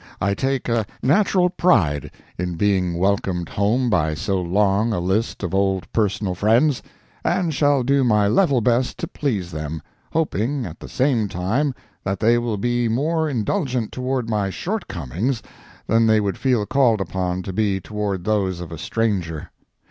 I take a natural pride in being welcomed home by so long a list of old personal friends, and shall do my level best to please them, hoping at the same time that they will be more indulgent toward my shortcomings than they would feel called upon to be toward those of a stranger.